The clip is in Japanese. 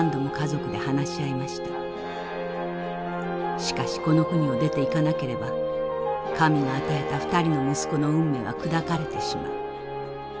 しかしこの国を出ていかなければ神が与えた２人の息子の運命は砕かれてしまう。